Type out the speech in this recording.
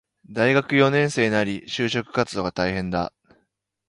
大学四年生なり、就職活動が大変だ